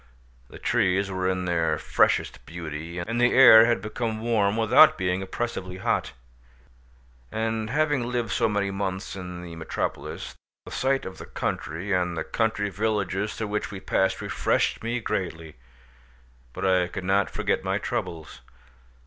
The trees were in their freshest beauty, and the air had become warm without being oppressively hot. After having lived so many months in the metropolis, the sight of the country, and the country villages through which we passed refreshed me greatly, but I could not forget my troubles.